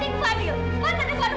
kamu gak pernah perhatiin fadil